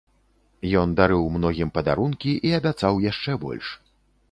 Ён дарыў многім падарункі і абяцаў яшчэ больш.